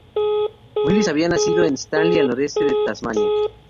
Willis había nacido en Stanley, al noroeste de Tasmania.